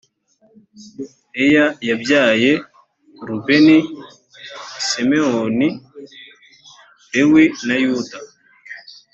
leya yabyaye rubeni simewoni lewi na yuda